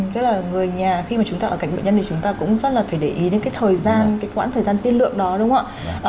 tức là người nhà khi mà chúng ta ở cảnh bệnh nhân thì chúng ta cũng rất là phải để ý đến cái thời gian cái quãng thời gian tiên lượng đó đúng không ạ